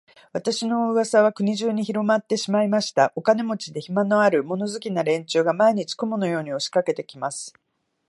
私の噂は国中にひろまってしまいました。お金持で、暇のある、物好きな連中が、毎日、雲のように押しかけて来ます。